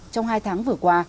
trong hai tháng vừa qua